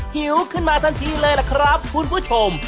หิวขึ้นมาทันทีเลยล่ะครับคุณผู้ชม